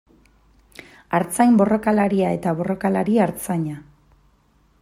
Artzain borrokalaria eta borrokalari artzaina.